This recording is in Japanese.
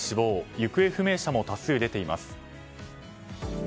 行方不明者も多数出ています。